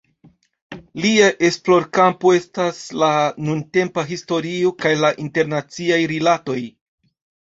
Lia esplorkampo estas la nuntempa historio kaj la internaciaj rilatoj.